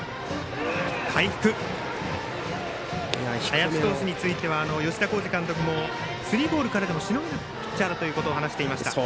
林投手については吉田洸二監督もスリーボールからでもしのげるピッチャーだと話していました。